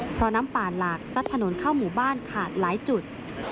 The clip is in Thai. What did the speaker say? เพราะน้ำป่าหลากซัดถนนเข้าหมู่บ้านขาดหลายจุด